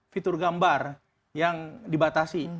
fitur gambar yang dibatasi